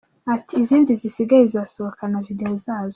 Ati “Izindi zisigaye zizasohokana na Video zazo”.